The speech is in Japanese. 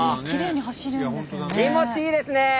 きれいに走るんですよね。